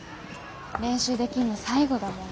練習できんの最後だもんね。